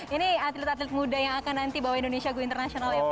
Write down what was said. ini atlet atlet muda yang akan nanti bawa indonesia go internasional ya pak